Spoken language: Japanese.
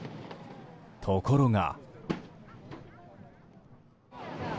ところが。